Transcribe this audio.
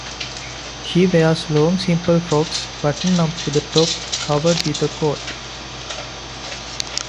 She wears long simple frocks buttoned up to the top covered with a coat.